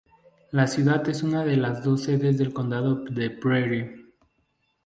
La ciudad es una de las dos sedes del condado de Prairie.